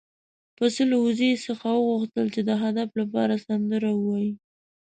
پسه له وزې څخه وغوښتل چې د هغه لپاره سندره ووايي.